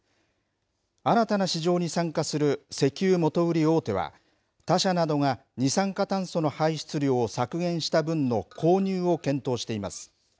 新たな市場に参加する石油元売り大手は、他社などが二酸化炭素の排出量を削減した分の購入を検討しています。